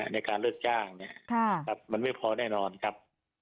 ในการเลิกจ้างมันไม่พอแน่นอนครับ